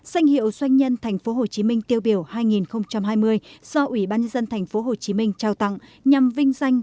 danh hiệu doanh nhân tp hcm tiêu biểu hai nghìn hai mươi do ủy ban nhân dân tp hcm trao tặng nhằm vinh danh